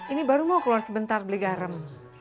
ini baru mau keluar sebentar beli garam